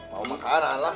mau makanan lah